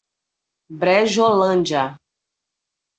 Brejolândia